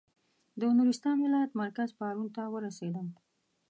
د نورستان ولایت مرکز پارون ته ورسېدم.